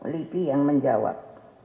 lidhi yang menjawab